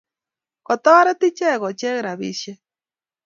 Kotoret icheket kocheng' rapisyek